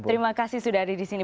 terima kasih sudah ada di sini